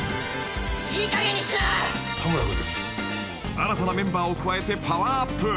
［新たなメンバーを加えてパワーアップ］